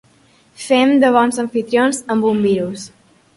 Fem de bons amfitrions amb un virus.